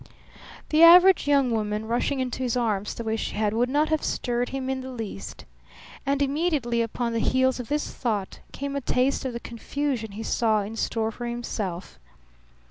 The average young woman, rushing into his arms the way she had, would not have stirred him in the least. And immediately upon the heels of this thought came a taste of the confusion he saw in store for himself.